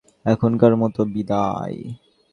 এখনকার মতো বিদায়!